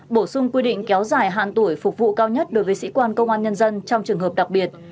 bổ sung quy định kéo dài hạn tuổi phục vụ cao nhất đối với sĩ quan công an nhân dân trong trường hợp đặc biệt